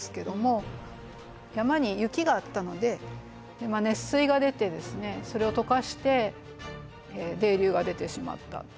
山に雪があったので熱水が出てそれをとかして泥流が出てしまった。